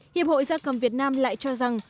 hiệp hội gia cầm việt nam lại cho rằng